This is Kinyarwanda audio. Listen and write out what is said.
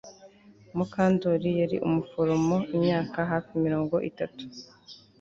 Mukandoli yari umuforomo imyaka hafi mirongo itatu